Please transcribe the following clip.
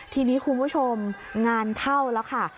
ทีนี้คุณผู้ชมงานเข้าแล้วค่ะ